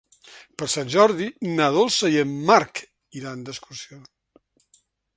Per Sant Jordi na Dolça i en Marc iran d'excursió.